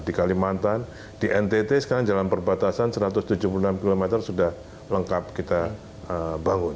di kalimantan di ntt sekarang jalan perbatasan satu ratus tujuh puluh enam km sudah lengkap kita bangun